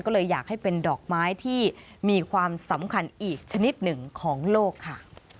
ก็เลยอยากให้เป็นดอกไม้ที่มีความสำคัญอีกชนิดหนึ่งของโลกค่ะ